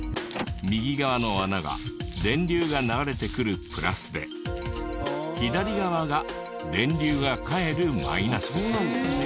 右側の穴が電流が流れてくるプラスで左側が電流が返るマイナス。